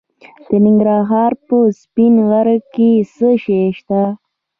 د ننګرهار په سپین غر کې څه شی شته؟